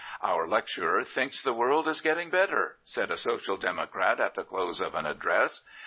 " Our lecturer thinks the world is getting better," said a Social Democrat at the close of an address.